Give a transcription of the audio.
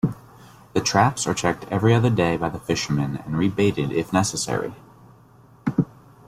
The traps are checked every other day by the fisherman and rebaited if necessary.